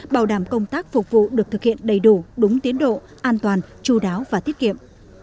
bảo đảm công tác phục vụ được thực hiện đầy đủ đúng tiến độ an toàn chú đáo và tiết kiệm